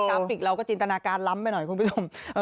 ราฟิกเราก็จินตนาการล้ำไปหน่อยคุณผู้ชม